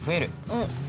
うん。